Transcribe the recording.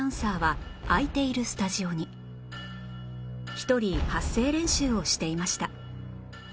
一人発声練習をしていました